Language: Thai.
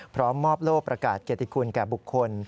พร้อมมอบโลกประกาศเกติคุณแก่บุคคล